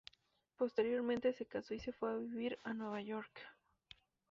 Posteriormente se casó y se fue a vivir a Nueva York.